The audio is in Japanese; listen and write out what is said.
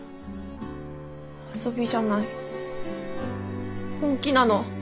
遊びじゃない本気なの。